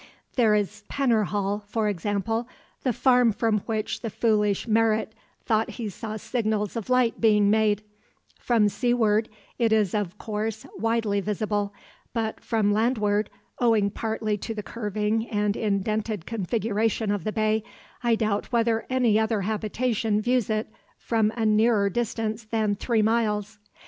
There is Penyrhaul, for example, the farm from which the foolish Merritt thought he saw signals of light being made: from seaward it is of course, widely visible; but from landward, owing partly to the curving and indented configuration of the bay, I doubt whether any other habitation views it from a nearer distance than three miles.